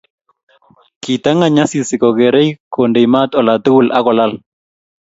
Kitangany Asisi kokerei kondei mat olatugul akolal